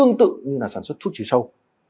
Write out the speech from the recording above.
tương tự sinh viên sản xuất chứa sâu